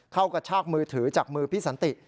เข้ากับชาติมือถือจากมือพี่สันติ